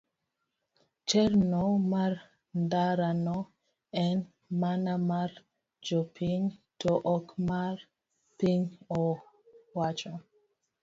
Chenro mar ndara no en mana mar jopiny to ok mar piny owacho.